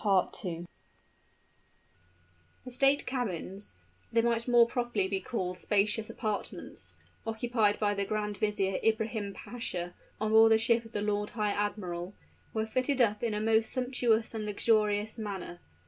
The state cabins they might more properly be called spacious apartments occupied by the Grand Vizier Ibrahim Pasha, on board the ship of the lord high admiral, were fitted up in a most sumptuous and luxurious manner.